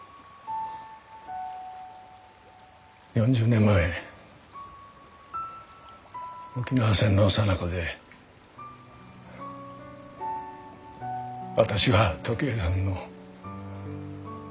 ４０年前沖縄戦のさなかで私が時恵さんの。